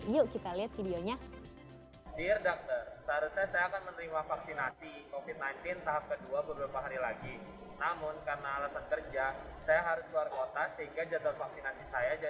yuk kita lihat videonya